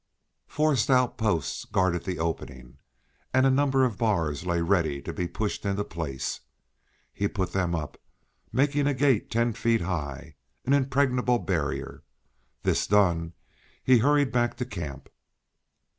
Four stout posts guarded the opening, and a number of bars lay ready to be pushed into place. He put them up, making a gate ten feet high, an impregnable barrier. This done, he hurried back to camp.